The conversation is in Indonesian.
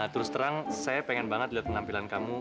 terus terang saya pengen banget lihat penampilan kamu